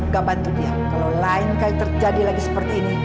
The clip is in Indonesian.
sama sekali gak bisa didupin